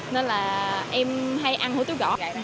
nên là em hay ăn hủ tiếu gõ